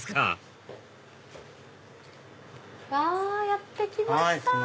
やって来ました！